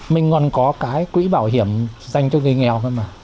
mình còn có cái quỹ bảo hiểm dành cho người nghèo hơn mà